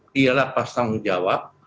dialah pas tanggung jawab